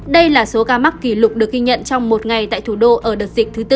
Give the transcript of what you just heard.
đây là số ca mắc kỷ lục được ghi nhận trong một ngày tại thủ đô ở đợt dịch thứ tư